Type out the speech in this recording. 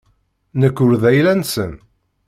Nekk ur d ayla-nsen.